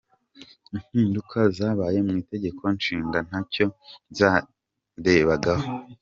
Impinduka zabaye mu Itegeko Nshinga ntacyo zandebagaho.